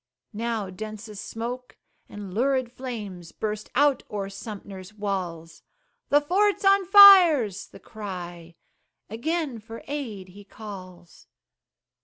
Now densest smoke and lurid flames Burst out o'er Sumter's walls; "The fort's on fire," 's the cry; Again for aid he calls.